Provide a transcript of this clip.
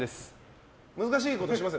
難しいことはしません。